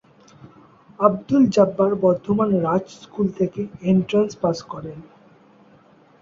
Abdul Jabbar Bardhaman Raj school থেকে entrance পাশ করেন।